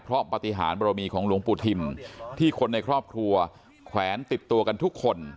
เพราะปฏิหารบรมีของหลวงปู่ทิมที่คนในครอบครัวแขวนติดตัวกันทุกคน